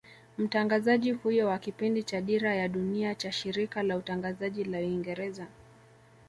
Mtangazaji huyo wa kipindi cha Dira ya Dunia cha Shirika la Utangazaji la Uingereza